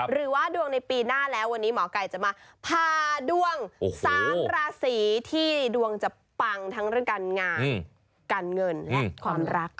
หรือว่าดวงในปีหน้าแล้ววันนี้หมอไก่จะมาพาดวง๓ราศีที่ดวงจะปังทั้งเรื่องการงานการเงินและความรัก